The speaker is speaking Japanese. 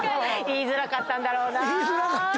言いづらかってんやろな！